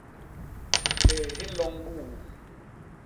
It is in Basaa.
Hyéé hi nloñ buumm.